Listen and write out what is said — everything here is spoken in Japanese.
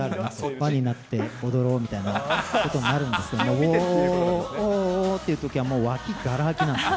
輪になって踊ろうみたいなことになるんですかね、おーおーおーっていうときは、もう脇、がら空きなんですよ。